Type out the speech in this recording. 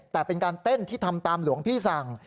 แต่เป็นการเต้นที่ทำตามหลวงพี่สั่ง